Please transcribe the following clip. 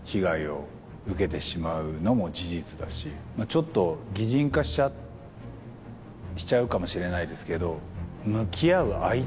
ちょっと擬人化しちゃうかもしれないですけど。